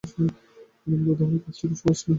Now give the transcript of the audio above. বিলম্ব তো হবেই, কাজটি তো সহজ নয়।